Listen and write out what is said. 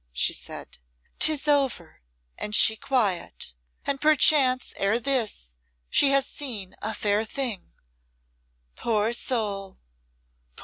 she said. "'Tis over and she quiet, and perchance ere this she has seen a fair thing. Poor soul!